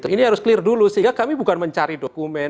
ini harus clear dulu sehingga kami bukan mencari dokumen